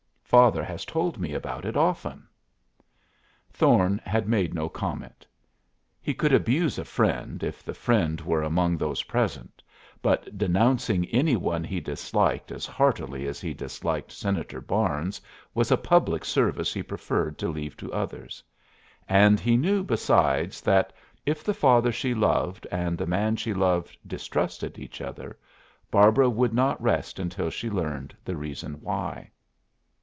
Father has told me about it often." Thorne had made no comment. He could abuse a friend, if the friend were among those present, but denouncing any one he disliked as heartily as he disliked Senator Barnes was a public service he preferred to leave to others. And he knew besides that, if the father she loved and the man she loved distrusted each other, Barbara would not rest until she learned the reason why.